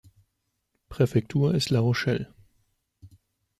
Präfektur ist La Rochelle.